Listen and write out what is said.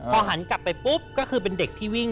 พอหันกลับไปปุ๊บก็คือเป็นเด็กที่วิ่ง